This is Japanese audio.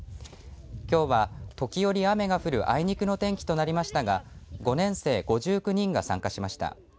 きょうは、時折雨が降るあいにくの天気となりましたが５年生５９人が参加しました。